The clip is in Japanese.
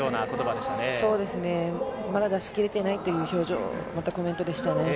また出しきれていないという表情、またコメントでしたね。